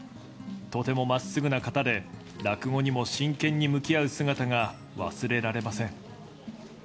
とてもまっすぐな方で、落語にも真剣に向き合う姿が忘れられません。